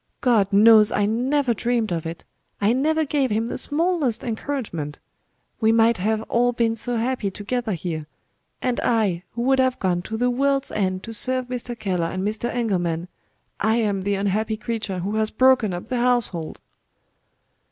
God knows I never dreamed of it; I never gave him the smallest encouragement. We might have all been so happy together here and I, who would have gone to the world's end to serve Mr. Keller and Mr. Engelman, I am the unhappy creature who has broken up the household!"